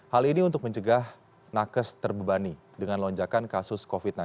hal ini untuk mencegah nakes terbebani dengan lonjakan kasus covid sembilan belas